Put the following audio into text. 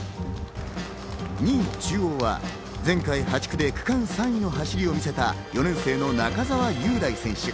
２位の中央は前回８区で区間３位の走りを見せた４年生の中澤雄大選手。